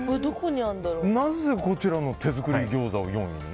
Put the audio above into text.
なぜこちらの手作り餃子を４位に？